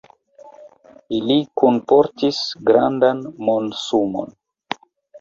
Ili kunportis grandan monsumon.